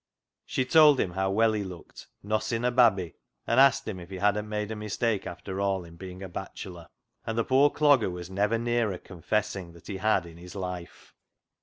She told him how well he looked " nossing a babby," and asked him if he hadn't made a mistake after all in being a bachelor — and the poor Clogger was never nearer confessing that he had in his life.